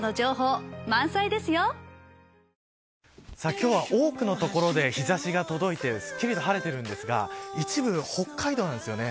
今日は多くの所で日差しが届いているすっきりと晴れていますが一部、北海道ですよね。